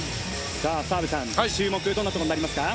澤部さん、注目どんなところですか。